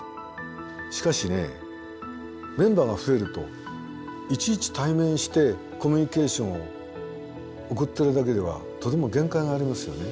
しかしメンバーが増えるといちいち対面してコミュニケーションを送っているだけではとても限界がありますよね。